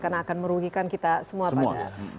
karena akan merugikan kita semua pada